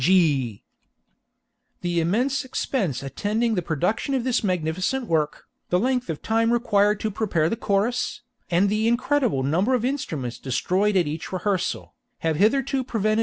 Gee!" The immense expense attending the production of this magnificent work, the length of time required to prepare the chorus, and the incredible number of instruments destroyed at each rehearsal, have hitherto prevented M.